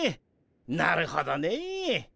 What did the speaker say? なるほどね。